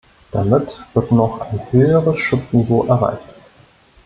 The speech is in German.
Damit wird ein noch höheres Schutzniveau erreicht.